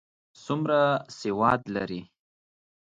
څومره سواد لري؟